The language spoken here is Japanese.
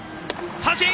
三振！